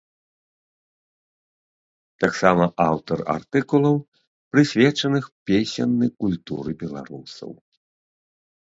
Таксама аўтар артыкулаў, прысвечаных песеннай культуры беларусаў.